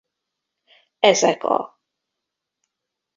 Ezek a